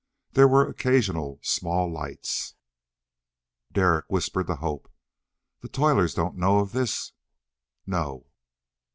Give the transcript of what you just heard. There were occasional small lights. Derek whispered to Hope, "The toilers don't know of this?" "No."